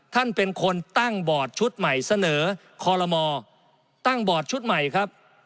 ท่านเป็นคนตั้งบอร์ดชุดใหม่เสนอคอลโลมตั้งบอร์ดชุดใหม่ครับ